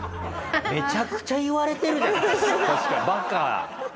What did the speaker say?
めちゃくちゃ言われてるじゃないですか。